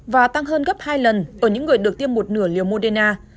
và tăng hơn gấp hai lần ở những người được tiêm một nửa liều moderna